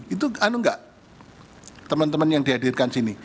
itu anu nggak teman teman yang dihadirkan sini